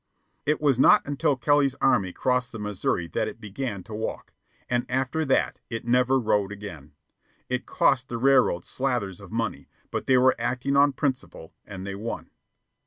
It was not until Kelly's Army crossed the Missouri that it began to walk, and after that it never rode again. It cost the railroads slathers of money, but they were acting on principle, and they won.